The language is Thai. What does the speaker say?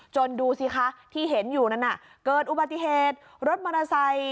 ดูสิคะที่เห็นอยู่นั้นเกิดอุบัติเหตุรถมอเตอร์ไซค์